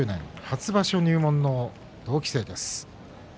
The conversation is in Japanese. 初場所入門の同期生です。